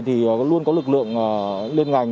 thì luôn có lực lượng lên ngành